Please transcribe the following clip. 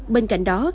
bên cạnh đó